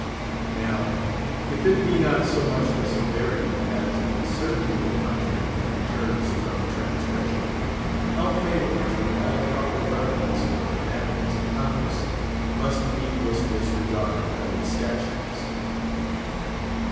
Now, if it be not so much the severity as the certainty of punishment that deters from transgression, how fatal to all proper reverence for the enactments of Congress must be this disregard of its statutes.